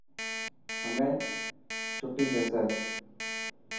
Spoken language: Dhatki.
همي ڇٽي ٿيسي.